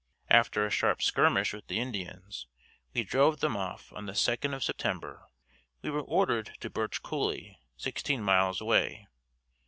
After a sharp skirmish with the Indians, we drove them off on the second of September. We were ordered to Birch Cooley, sixteen miles away.